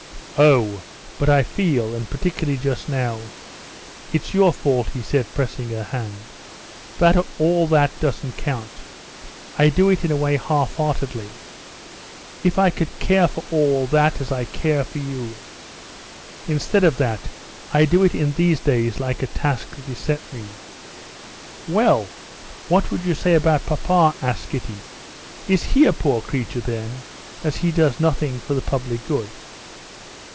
"Oh, but I feel, and particularly just now—it's your fault," he said, pressing her hand—"that all that doesn't count. I do it in a way halfheartedly. If I could care for all that as I care for you!... Instead of that, I do it in these days like a task that is set me." "Well, what would you say about papa?" asked Kitty. "Is he a poor creature then, as he does nothing for the public good?"